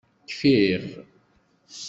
Kfiɣ.